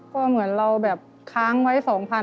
ก็เหมือนเราแบบค้างไว้๒๐๐๐